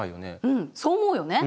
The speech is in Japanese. うんそう思うよね。